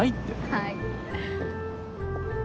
はい。